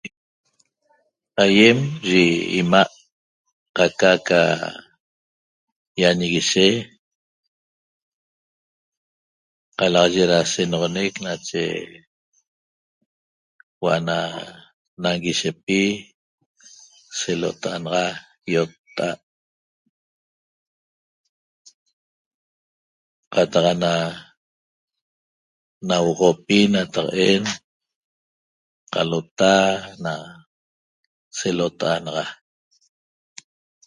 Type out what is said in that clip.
aýem yi imaa ca aca ca ýañiguishe calaxaye da sanoxoneq nache huo'o na nañiguishepi se lotaa naxa iottaa cataxa na nahuoxopi nataqhen calota na selotaanaxana